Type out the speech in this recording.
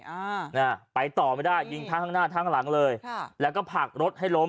อ่าน่ะไปต่อไม่ได้ยิงทั้งข้างหน้าทั้งหลังเลยค่ะแล้วก็ผลักรถให้ล้ม